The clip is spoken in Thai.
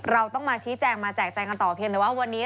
เราต้องมาชี้แจงมาแจกแจงกันต่อเพียงแต่ว่าวันนี้